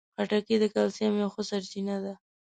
خټکی د کلسیم یوه ښه سرچینه ده.